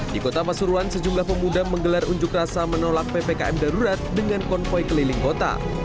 di kota pasuruan sejumlah pemuda menggelar unjuk rasa menolak ppkm darurat dengan konvoy keliling kota